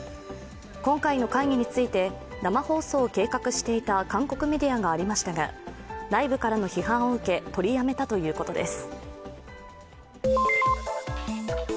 今回の会議について生放送を計画していた韓国メディアがありましたが内部からの批判を受け取りやめたということです。